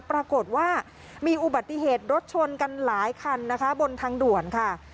ปรากฏว่ามีอุบัติเหตุรถชนกันหลายคันนะคะบนทางด่วนค่ะ